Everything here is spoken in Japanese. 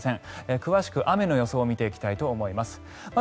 詳しく、雨の予想を見ていきたいと思います。